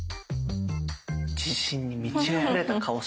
自信に満ちあふれてた顔してるけど。